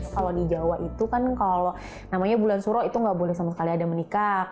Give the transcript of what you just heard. kalau di jawa itu kan kalau namanya bulan suro itu nggak boleh sama sekali ada menikah